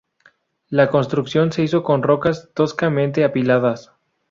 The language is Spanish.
La construcción se hizo con rocas toscamente apiladas.